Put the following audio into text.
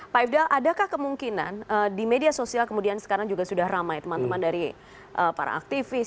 pak ifdal adakah kemungkinan di media sosial kemudian sekarang juga sudah ramai teman teman dari para aktivis